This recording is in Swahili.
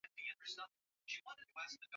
kwanza wasikilizaji wetu habari zenu hii leo